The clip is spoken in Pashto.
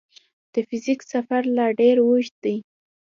د فزیک سفر لا ډېر اوږ دی.